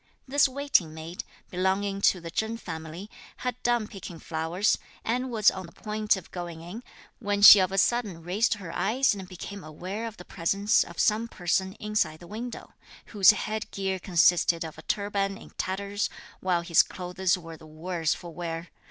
This waiting maid, belonging to the Chen family, had done picking flowers, and was on the point of going in, when she of a sudden raised her eyes and became aware of the presence of some person inside the window, whose head gear consisted of a turban in tatters, while his clothes were the worse for wear.